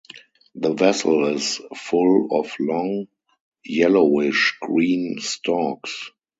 The vessel is full of long, yellowish-green stalks.